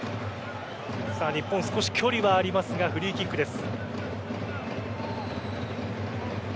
日本、少し距離はありますがフリーキックです。